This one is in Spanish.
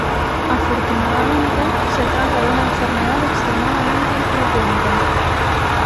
Afortunadamente, se trata de una enfermedad extremadamente infrecuente.